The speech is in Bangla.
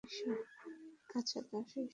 আচ্ছা, দশেই সই।